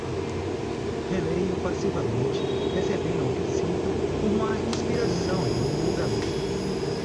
Releio passivamente, recebendo o que sinto como uma inspiração e um livramento